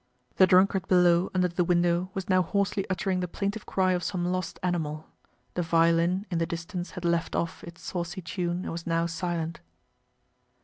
The drunkard below, under the window, was now hoarsely uttering the plaintive cry of some lost animal. The violin in the distance had left off its saucy tune and was now silent.